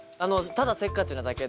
ただせっかちなだけで。